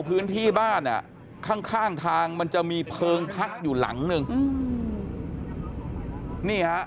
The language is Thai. พื้นที่บ้านอ่ะข้างข้างทางมันจะมีเพลิงพักอยู่หลังนึงนี่ฮะ